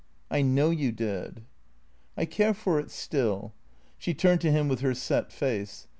" I know you did." " I care for it still." She turned to him with her set face.